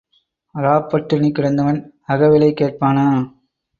இராப் பட்டினி கிடந்தவன் அகவிலை கேட்பானா?